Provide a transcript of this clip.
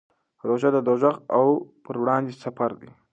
روژه د دوزخ د اور پر وړاندې سپر دی.